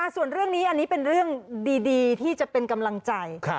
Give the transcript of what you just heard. ส่วนเรื่องนี้อันนี้เป็นเรื่องดีที่จะเป็นกำลังใจ